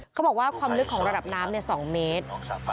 เขาบอกว่าความลึกของระดับน้ำ๒เมตร